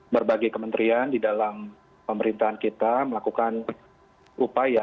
berbagai kementerian di dalam pemerintahan kita melakukan upaya